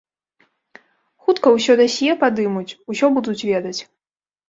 Хутка ўсё дасье падымуць, усё будуць ведаць.